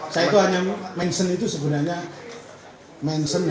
saya itu hanya mention itu sebenarnya mention